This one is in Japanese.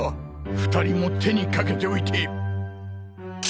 ２人も手にかけておいて。